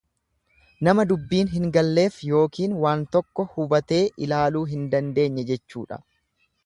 Nama dubbiin hin galleef yookiin waan tokko hubatee ilaaluu hin dandeenye jechuudha.